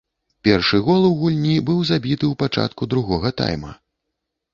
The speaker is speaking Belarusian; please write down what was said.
Першы гол у гульні быў забіты ў пачатку другога тайма.